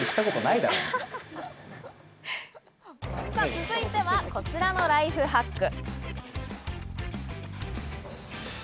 続いてはこちらのライフハック。